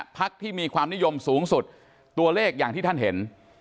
พักที่มีความนิยมสูงสุดตัวเลขอย่างที่ท่านเห็น